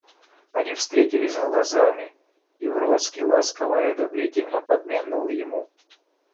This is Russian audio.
Они встретились глазами, и Вронский ласково и одобрительно подмигнул ему.